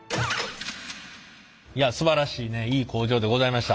すばらしいいい工場でございました。